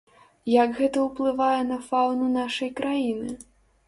Як гэта ўплывае на фаўну нашай краіны?